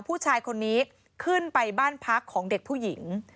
ผู้ชายคนนี้ขึ้นไปบ้านพักของเด็กผู้หญิง